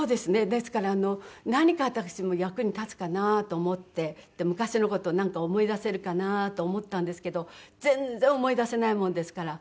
ですから何か私も役に立つかなと思って昔の事をなんか思い出せるかなと思ったんですけど全然思い出せないもんですから。